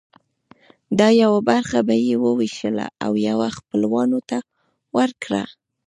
دا یوه برخه به یې وویشله او یوه خپلوانو ته ورکړه.